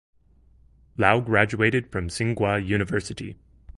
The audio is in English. Lao graduated from Tsinghua University.